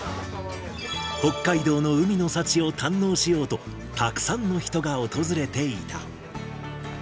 北海道の海の幸を堪能しようと、たくさんの人が訪れていた。